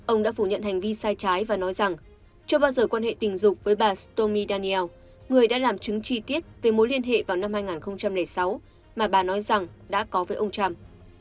ông đã phủ nhận hành vi sai trái và nói rằng chưa bao giờ quan hệ tình dục với bà stomi daniel người đã làm chứng chi tiết về mối liên hệ vào năm hai nghìn sáu mà bà nói rằng đã có với ông trump